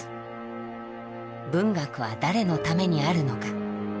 文学は誰のためにあるのか。